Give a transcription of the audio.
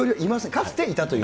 かつていたという。